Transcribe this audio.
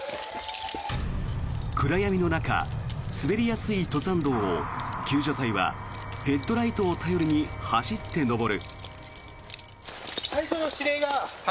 暗闇の中、滑りやすい登山道を救助隊はヘッドライトを頼りに走って登る。